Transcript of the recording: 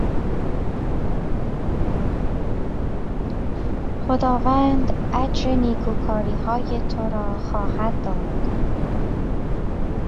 خداوند اجر نیکوکاریهای تو را خواهد داد.